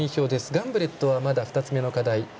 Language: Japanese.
ガンブレットはまだ２つ目の課題。